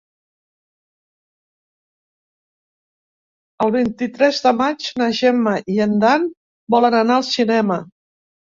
El vint-i-tres de maig na Gemma i en Dan volen anar al cinema.